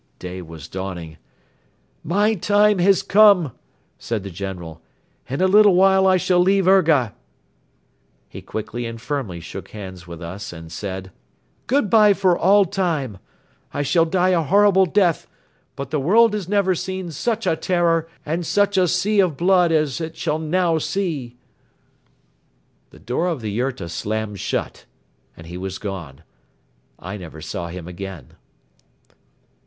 Day was dawning. "My time has come!" said the General. "In a little while I shall leave Urga." He quickly and firmly shook hands with us and said: "Good bye for all time! I shall die a horrible death but the world has never seen such a terror and such a sea of blood as it shall now see. ..." The door of the yurta slammed shut and he was gone. I never saw him again.